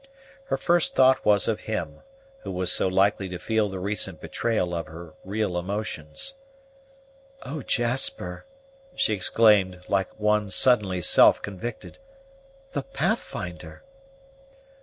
Her first thought was of him, who was so likely to feel the recent betrayal of her real emotions. "Oh, Jasper," she exclaimed, like one suddenly self convicted, "the Pathfinder!"